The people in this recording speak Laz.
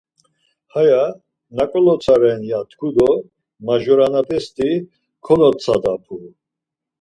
haya naǩo lotsa ren ya tku do majuranepesti konotsadapu.